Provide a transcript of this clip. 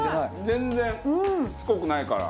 全然しつこくないから。